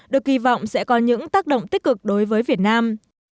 được kỳ vọng sẽ có những tác động tích cực đối với việt nam